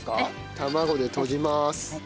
卵でとじます。